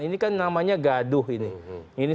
ini kan namanya gaduh ini